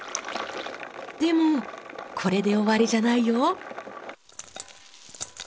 でもこれで終わりじゃないよ。